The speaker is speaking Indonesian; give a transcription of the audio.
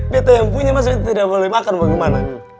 betta yang punya masih tidak boleh makan bagaimana